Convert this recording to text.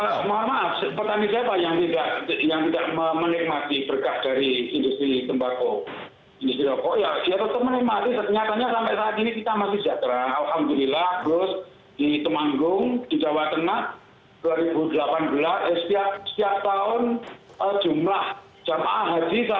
mohon maaf petani siapa yang tidak menikmati berkah dari industri tembakau